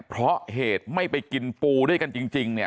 เพราะเหตุไม่ไปกินปูด้วยกันจริงเนี่ย